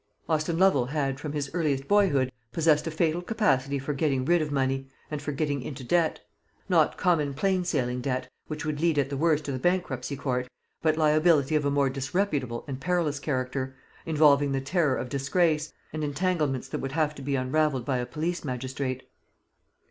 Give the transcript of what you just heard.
Austin Lovel had, from his earliest boyhood, possessed a fatal capacity for getting rid of money, and for getting into debt; not common plain sailing debt, which would lead at the worst to the Bankruptcy Court, but liability of a more disreputable and perilous character, involving the terror of disgrace, and entanglements that would have to be unravelled by a police magistrate.